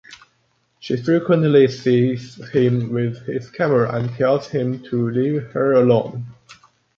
She frequently sees him with his camera and tells him to leave her alone.